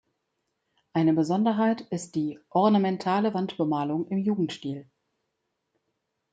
Eine Besonderheit ist die ornamentale Wandbemalung im Jugendstil.